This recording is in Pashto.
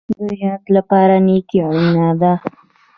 د جنت لپاره نیکي اړین ده